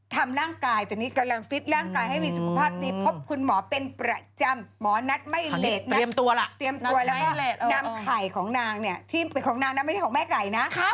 ทำร่างกายแต่ตอนนี้กำลังฟิตร่างกาย